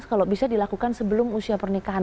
kalau bisa dilakukan sebelum usia pernikahan